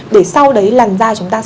để sau đấy làn da chúng ta sâu